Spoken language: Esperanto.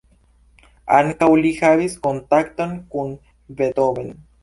Ankaŭ li havis kontakton kun Beethoven.